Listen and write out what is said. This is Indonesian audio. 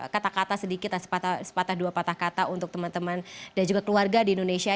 kata kata sedikit dan sepatah dua patah kata untuk teman teman dan juga keluarga di indonesia